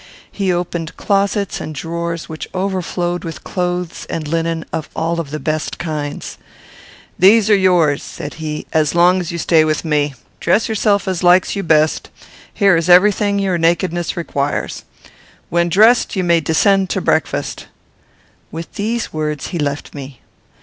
He opened closets and drawers which overflowed with clothes and linen of all and of the best kinds. "These are yours," said he, "as long as you stay with me. Dress yourself as likes you best. Here is every thing your nakedness requires. When dressed, you may descend to breakfast." With these words he left me.